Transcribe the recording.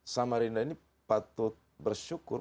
samarina ini patut bersyukur